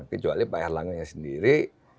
kecuali pak erlangga sendiri